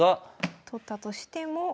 取ったとしても。